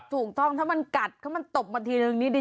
ถูกต้องถ้ามันกัดถ้ามันตบมาทีนึงนี่ดี